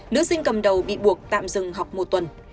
nữ sinh cầm đầu bị buộc tạm dừng học một tuần